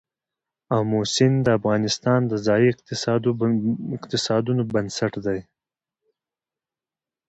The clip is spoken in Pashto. آمو سیند د افغانستان د ځایي اقتصادونو بنسټ دی.